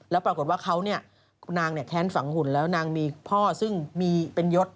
แล้วปรากฏว่าเขาเนี่ยนางแค้นฝังหุ่นแล้วนางมีพ่อซึ่งมีเป็นยศ